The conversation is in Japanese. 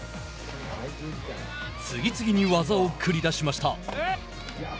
次々に技を繰り出しました。